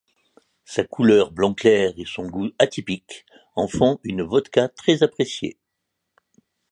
Sa couleur blond clair et son goût atypique en font une vodka très appréciée.